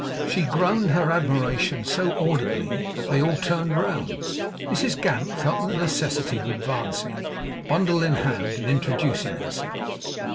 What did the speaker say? She groaned her admiration so audibly, that they all turned round. Mrs Gamp felt the necessity of advancing, bundle in hand, and introducing herself.